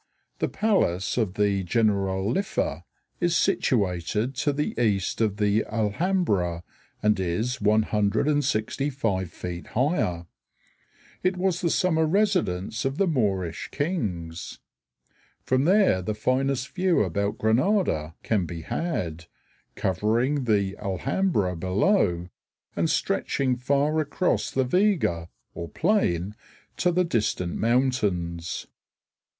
The palace of the Generalife is situated to the east of the Alhambra and 165 feet higher. It was the summer residence of the Moorish kings. From there the finest view about Granada can be had, covering the Alhambra below and stretching far across the vega (plain) to the distant mountains.